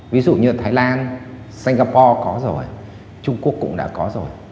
ví dụ như thái lan singapore có rồi trung quốc cũng đã có rồi